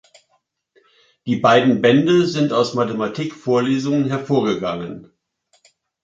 Die beiden Bände sind aus Mathematik-Vorlesungen hervorgegangen.